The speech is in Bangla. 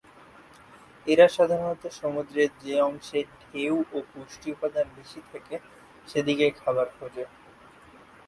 এরা সাধারণত সমুদ্রের যে অংশে ঢেউ ও পুষ্টি উপাদান বেশি থাকে সেদিকে খাবার খোঁজে।